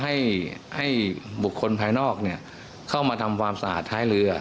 และให้บุคคลภายนอกมาทำว่ามลูกตัวเลือด